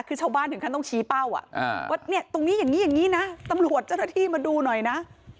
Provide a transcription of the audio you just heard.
คือเจ้าบ้านถึงก็ต้องชี้เป้าว่าตรงนี้อย่างนี้นะตำรวจเจ้าหน้าที่มาดูหน่อยนะ